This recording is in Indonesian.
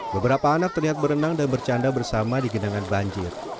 beberapa anak terlihat berenang dan bercanda bersama di genangan banjir